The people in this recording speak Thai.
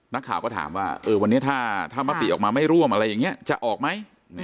นักข่าวก็ถามว่าวันนี้ถ้ามติออกมาไม่ร่วมอะไรอย่างนี้จะออกไหม